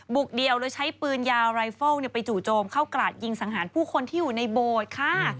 เดียวเลยใช้ปืนยาวไรเฟิลไปจู่โจมเข้ากราดยิงสังหารผู้คนที่อยู่ในโบสถ์ค่ะ